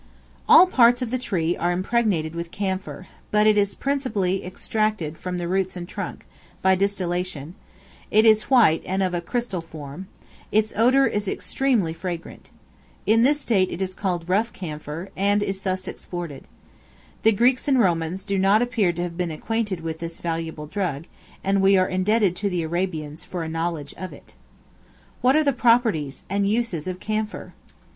All parts of the tree are impregnated with camphor; but it is principally extracted from the roots and trunk, by distillation; it is white, and of a crystal form: its odor is extremely fragrant. In this state it is called rough camphor, and is thus exported. The Greeks and Romans do not appear to have been acquainted with this valuable drug; and we are indebted to the Arabians for a knowledge of it. What are the properties and uses of Camphor?